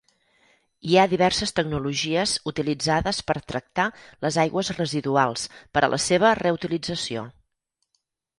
Hi ha diverses tecnologies utilitzades per tractar les aigües residuals per a la seva reutilització.